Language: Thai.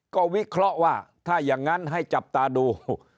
ก็วิเคราะห์ว่าถ้าอย่างนั้นให้จับตาดู